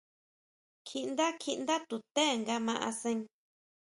Kjiʼndá, kjiʼndá tuté nga ma asen.